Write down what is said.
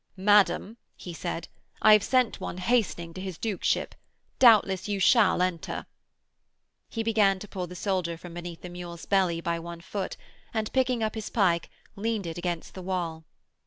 'Madam,' he said, 'I have sent one hastening to his duke ship. Doubtless you shall enter.' He bent to pull the soldier from beneath the mule's belly by one foot, and picking up his pike, leaned it against the wall.